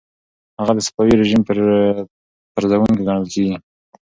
هغه د صفوي رژیم پرزوونکی ګڼل کیږي.